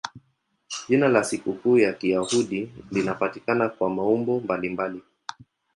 Jina la sikukuu ya Kiyahudi linapatikana kwa maumbo mbalimbali.